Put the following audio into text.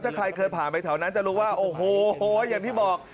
ถ้าใครเคยผ่านไปแถวนั้นจะรู้ว่าโอ้โหอย่างที่บอก